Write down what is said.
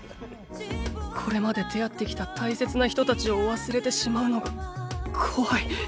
これまで出会ってきた大切な人たちを忘れてしまうのが怖い。